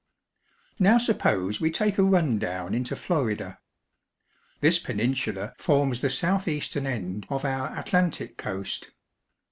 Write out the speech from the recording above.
NOW suppose we take a run down into Florida. This peninsula forms the southeastern end of our Atlantic coast.